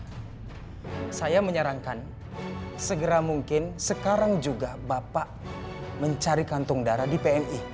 saya menyarankan segera mungkin sekarang juga bapak mencari kantong darah di pmi